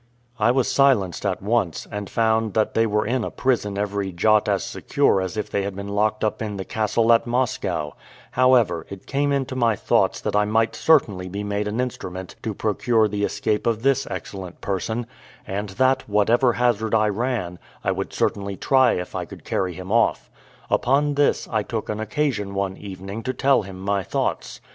I was silenced at once, and found that they were in a prison every jot as secure as if they had been locked up in the castle at Moscow: however, it came into my thoughts that I might certainly be made an instrument to procure the escape of this excellent person; and that, whatever hazard I ran, I would certainly try if I could carry him off. Upon this, I took an occasion one evening to tell him my thoughts.